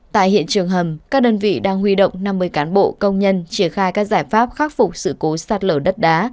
tại hiện trường hầm các đơn vị đang huy động năm mươi cán bộ công nhân triển khai các giải pháp khắc phục sự cố sạt lở đất đá